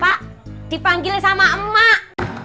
pak dipanggilin sama emak